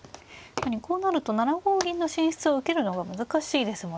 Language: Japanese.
こうなると７五銀の進出を受けるのが難しいですもんね。